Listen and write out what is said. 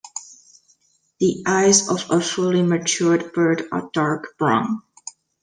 The eyes of a fully matured bird are dark brown.